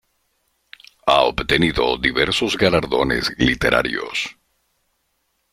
Ha obtenido diversos galardones literarios.